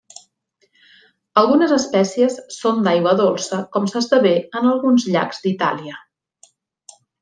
Algunes espècies són d'aigua dolça com s'esdevé en alguns llacs d'Itàlia.